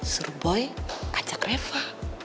suruh boy ajak reva